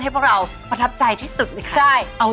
เชฟของเราประทับใจที่สุดแหละค่ะ